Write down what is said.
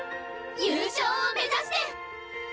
優勝を目指して！